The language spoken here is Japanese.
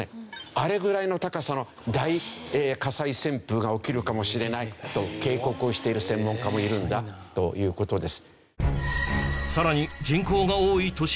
あれぐらいの高さの大火災旋風が起きるかもしれないと警告をしている専門家もいるんだという事です。